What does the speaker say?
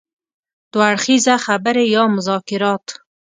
دوه اړخیزه خبرې يا مذاکرات.